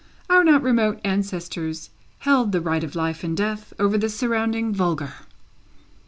Our not remote ancestors held the right of life and death over the surrounding vulgar.